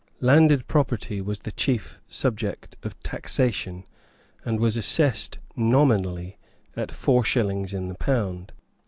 Landed property was the chief subject of taxation, and was assessed nominally at four shillings in the pound.